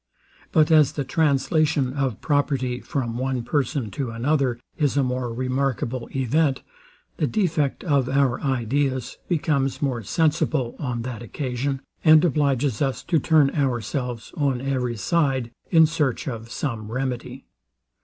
But as the translation of property from one person to another is a more remarkable event, the defect of our ideas becomes more sensible on that occasion, and obliges us to turn ourselves on every side in search of some remedy.